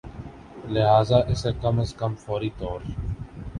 لہذا اسے کم از کم فوری طور